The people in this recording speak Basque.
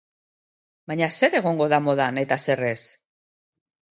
Baina zer egongo modan eta zer ez?